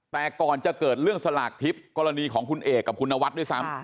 แต่ก่อนจะเกิดเรื่องสลากทิพย์กรณีของคุณเอกกับคุณนวัดด้วยซ้ำ